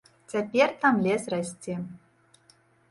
Цяпер там лес расце.